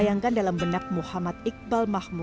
takut dengan kesehatanku